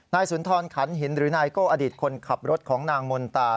สุนทรขันหินหรือนายโก้อดีตคนขับรถของนางมนตา